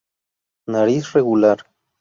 Nariz regular.